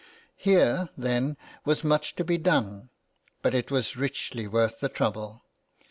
Here, then was much to be done; but it was richly worth the trouble.